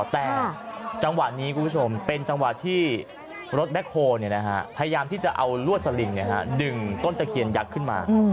แต่จังหวะนี้คุณผู้ชมเป็นจังหวะที่รถแบ็คโฮลพยายามที่จะเอาลวดสลิงดึงต้นตะเคียนยักษ์ขึ้นมา